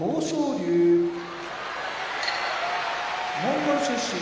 龍モンゴル出身